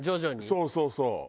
そうそうそう。